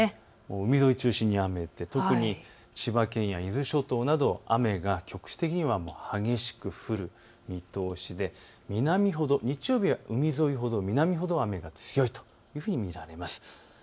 海沿い中心に雨で特に千葉県や伊豆諸島など雨が局地的には激しく降る見通しで日曜日は海沿いほど南ほど雨が強いというふうに見られます。